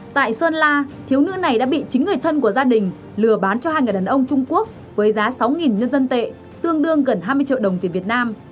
tại sơn la thiếu nữ này đã bị chính người thân của gia đình lừa bán cho hai người đàn ông trung quốc với giá sáu nhân dân tệ tương đương gần hai mươi triệu đồng tiền việt nam